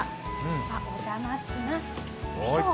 お邪魔します。